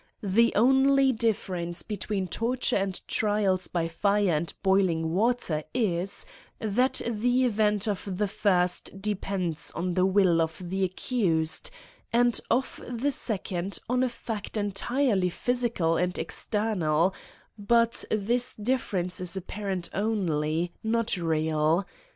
>■ The only diiFerence between torture and trials by fire and boiling water is, that the'event of the first depends on the will of the accused, and of the second on a fact entirely physical and external : but thfs difference is apparent only, not real.